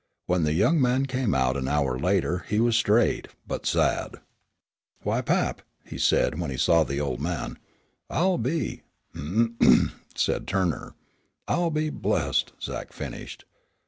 When the young man came out an hour later he was straight, but sad. "Why, Pap," he said when he saw the old man, "I'll be " "Hem!" said Turner. "I'll be blessed!" Zach finished.